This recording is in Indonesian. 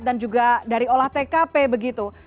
dan juga dari olah tkp begitu